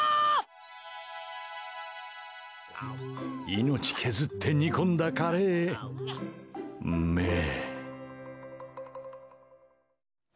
命削って煮込んだカレーうめぇ。